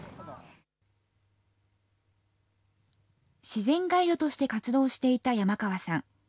自然ガイドとして活動していた山川さん。